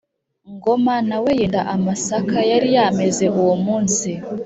Ngoma na we yenda amasaka yari yameze uwo munsi,